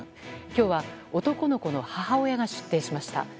今日は、男の子の母親が出廷しました。